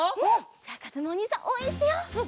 じゃあかずむおにいさんおうえんしてよう。